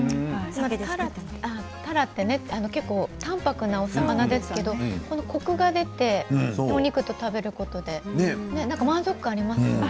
たらってたんぱくな魚ですけどコクが出てお肉と食べることでなんか満足感がありますね。